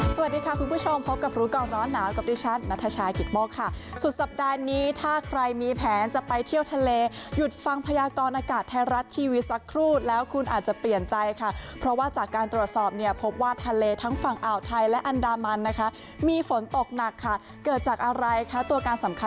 สวัสดีค่ะคุณผู้ชมพบกับรู้ก่อนร้อนหนาวกับดิฉันนัทชายกิตโมกค่ะสุดสัปดาห์นี้ถ้าใครมีแผนจะไปเที่ยวทะเลหยุดฟังพยากรอากาศไทยรัฐทีวีสักครู่แล้วคุณอาจจะเปลี่ยนใจค่ะเพราะว่าจากการตรวจสอบเนี่ยพบว่าทะเลทั้งฝั่งอ่าวไทยและอันดามันนะคะมีฝนตกหนักค่ะเกิดจากอะไรคะตัวการสำคัญ